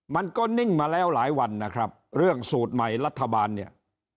มันก็นิ่งมาแล้วหลายวันนะครับเรื่องสูตรใหม่รัฐบาลเนี่ย